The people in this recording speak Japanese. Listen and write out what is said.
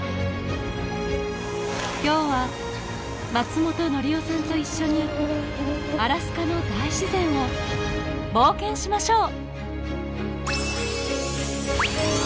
今日は松本紀生さんと一緒にアラスカの大自然を冒険しましょう！